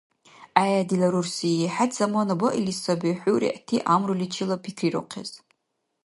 ГӀе, дила рурси, хӀед замана баили саби хӀу-регӀти гӀямруличила пикрирухъес.